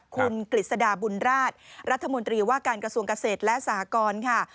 คุณกฤษฎาบุญราชรัฐมนตรีว่าการกระทรวงเกษตรและสหกรค่ะ